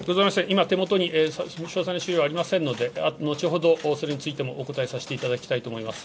今、手元に詳細な資料ありませんので、後ほどそれについてもお答えさせていただきたいと思います。